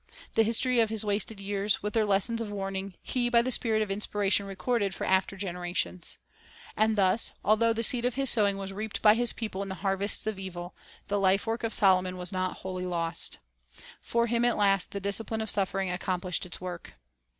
The history of his wasted years, with their lessons of warning, he by the Spirit of inspira tion recorded for after generations. And thus, although the seed of his sowing was reaped by his people in harvests of evil, the life work of Solomon was not wholly lost. For him at last the discipline of suffering accomplished its work.